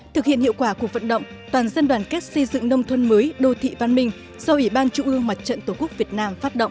thực hiện hiệu quả cuộc vận động toàn dân đoàn kết xây dựng nông thôn mới đô thị văn minh do ủy ban trung ương mặt trận tổ quốc việt nam phát động